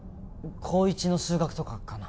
高１の数学とかかな？